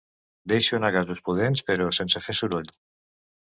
Deixo anar gasos pudents, però sense fer soroll.